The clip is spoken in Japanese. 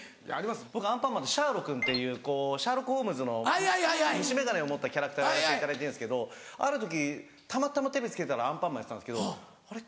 僕『アンパンマン』でシャーロくんっていうシャーロック・ホームズの虫眼鏡を持ったキャラクターをやらせていただいてるんですけどある時たまたまテレビつけたら『アンパンマン』やってたんですけど「あれ？